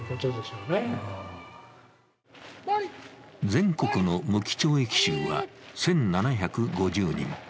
全国の無期懲役囚は１７５０人。